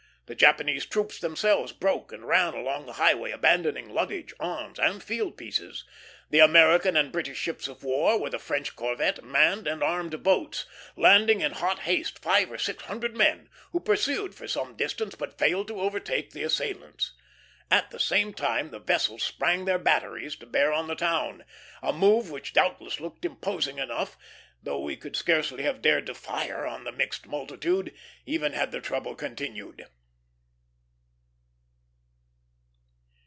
The Japanese troops themselves broke and ran along the highway, abandoning luggage, arms, and field pieces. The American and British ships of war, with a French corvette, manned and armed boats, landing in hot haste five or six hundred men, who pursued for some distance, but failed to overtake the assailants. At the same time the vessels sprang their batteries to bear on the town; a move which doubtless looked imposing enough, though we could scarcely have dared to fire on the mixed multitude, even had the trouble continued.